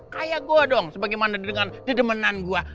kayak gua dong sebagaimana dengan dedemenan gua